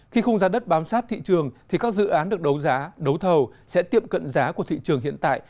khi khung giá đất bám sát thị trường thì các dự án được đấu giá đấu thầu sẽ tiệm cận giá của thị trường hiện tại